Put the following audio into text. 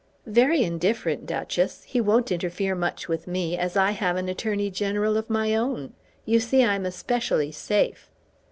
"Very indifferent, Duchess. He won't interfere much with me, as I have an Attorney General of my own. You see I'm especially safe."